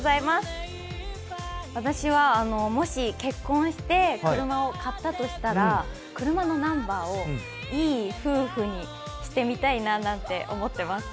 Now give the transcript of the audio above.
私はもし結婚して車を買ったとしたら車のナンバーを１１２２の日にしてみたいななんて思います。